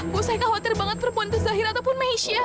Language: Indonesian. bu saya khawatir banget perempuan itu zahir ataupun mehisia